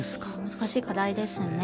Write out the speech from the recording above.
難しい課題ですね。